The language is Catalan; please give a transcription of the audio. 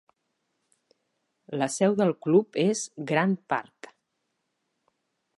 La seu del club és Grant Park.